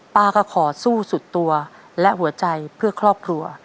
ป้าก็ขอสู้สุดตัวและหัวใจเพื่อครอบครัว